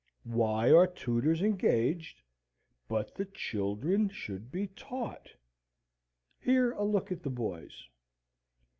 Why are tutors engaged, but that children should be taught?" (here a look at the boys).